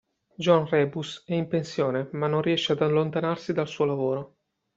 John Rebus è in pensione ma non riesce ad allontanarsi dal suo lavoro.